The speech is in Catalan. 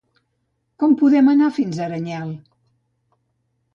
Com podem anar fins a Aranyel?